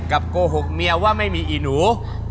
โกหกเมียว่าไม่มีอีหนู